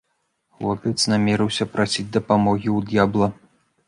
Хлопец намерыўся прасіць дапамогі ў д'ябла.